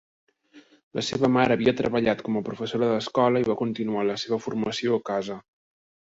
La seva mare havia treballat com a professora d"escola i va continuar la seva formació a casa.